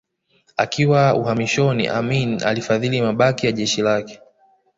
Akiwa uhamishoni Amin alifadhili mabaki ya jeshi lake